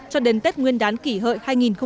cho đến tết nguyên đán kỷ hợi hai nghìn một mươi chín